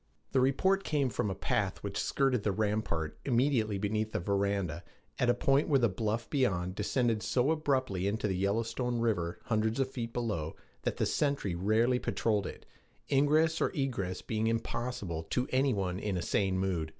The report came from a path which skirted the rampart immediately beneath the veranda, at a point where the bluff beyond descended so abruptly into the Yellowstone River, hundreds of feet below, that the sentry rarely patrolled it, ingress or egress being impossible to any one in a sane mood.